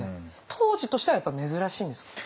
当時としてはやっぱ珍しいんですか？